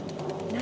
何？